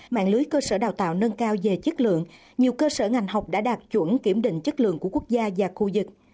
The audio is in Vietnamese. mạng lưới cơ sở đào tạo nâng cao về chất lượng nhiều cơ sở ngành học đã đạt chuẩn kiểm định chất lượng của quốc gia và khu vực